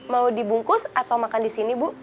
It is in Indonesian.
mau dibungkus atau makan di sini bu